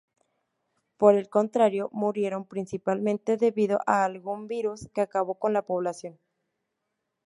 Por el contrario, murieron principalmente debido a algún virus que acabó con la población.